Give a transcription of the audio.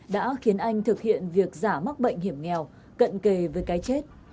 đã khiến anh thực hiện việc giả mắc bệnh hiểm nghèo cận kề với cái chết